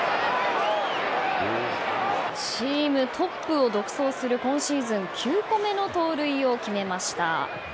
チームトップを独走する今シーズン９個目の盗塁を決めました。